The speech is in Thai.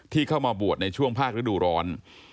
เข้ามาบวชในช่วงภาคฤดูร้อน